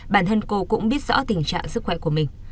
bản thân cô cũng biết rõ tình trạng sức khỏe của mình